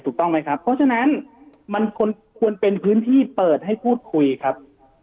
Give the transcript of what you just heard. ถูกต้องไหมครับเพราะฉะนั้นมันควรเป็นพื้นที่เปิดให้พูดคุยครับ